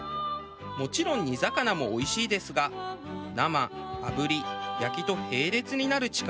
もちろん煮魚もおいしいですが生炙り焼きと並列になる力はないと思います。